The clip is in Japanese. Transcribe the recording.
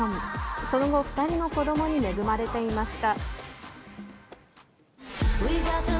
その後、２人の子どもに恵まれていました。